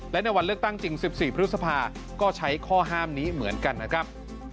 และในวันเลือกตั้งจริง๑๔พฤษภาก็ใช้ข้อห้ามนี้เหมือนกันนะครับ